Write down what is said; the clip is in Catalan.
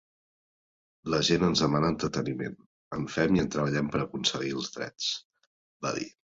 La gent ens demana entreteniment, en fem i treballem per aconseguir drets, va dir.